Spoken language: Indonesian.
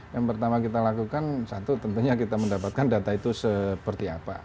yang pertama kita lakukan satu tentunya kita mendapatkan data itu seperti apa